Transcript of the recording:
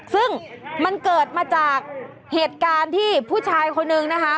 ซึ่งมันเกิดมาจากเหตุการณ์ที่ผู้ชายคนนึงนะคะ